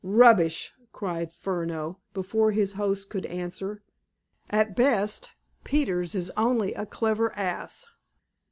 "Rubbish!" cried Furneaux, before his host could answer. "At best, Peters is only a clever ass.